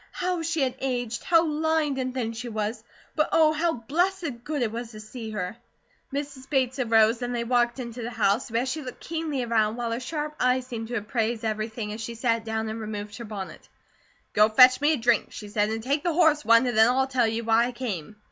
How she had aged! How lined and thin she was! But Oh, how blessed good it was to see her! Mrs. Bates arose and they walked into the house, where she looked keenly around, while her sharp eyes seemed to appraise everything as she sat down and removed her bonnet. "Go fetch me a drink," she said, "and take the horse one and then I'll tell you why I came."